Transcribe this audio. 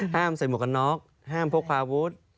ห้ามใส่หมวกกันน็อกห้ามพกควาวุทธ์